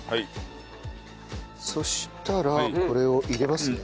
そしたらこれを入れますね。